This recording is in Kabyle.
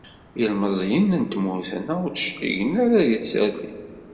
Ilmeẓyen n tmurt-nneɣ ur d-cligen ara deg tsertit.